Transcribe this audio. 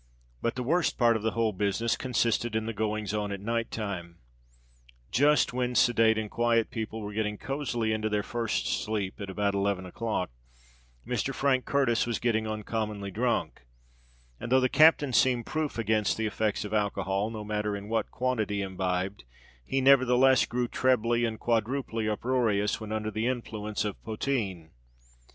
But the worst part of the whole business consisted in the goings on at night time. Just when sedate and quiet people were getting cozily into their first sleep at about eleven o'clock, Mr. Frank Curtis was getting uncommonly drunk; and, though the captain seemed proof against the effects of alcohol, no matter in what quantity imbibed, he nevertheless grew trebly and quadruply uproarious when under the influence of poteen.